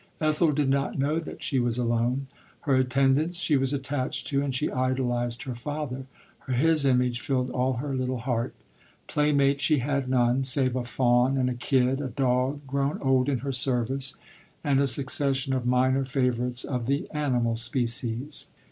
Ethel did not know that she was alone. Her attendants she was attached to, and she idolized her father ; his image filled all her little heart. Playmate she had none, save a fawn and a kid, a dog grown old in her service, and a succession of minor favourites of the animal species.